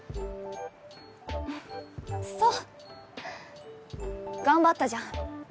そう頑張ったじゃん。